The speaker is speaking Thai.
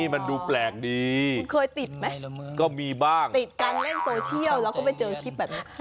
มันดูแปลกดีเคยติดไหมก็มีบ้างติดการเล่นโซเชียลแล้วก็ไปเจอคลิปแบบนี้